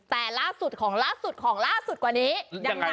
แต่ล่าสุดของล่าสุดของล่าสุดอย่างใคร